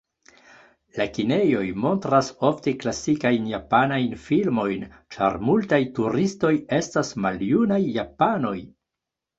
La kinejoj montras ofte klasikajn japanajn filmojn, ĉar multaj turistoj estas maljunaj japanoj.